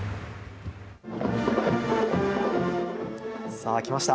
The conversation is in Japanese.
さあ、来ました。